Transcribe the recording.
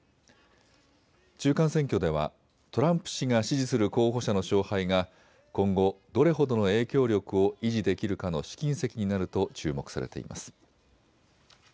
中間選挙ではトランプ氏が支持する候補者の勝敗が今後どれほどの影響力を維持できるかの試金石になると注目されています。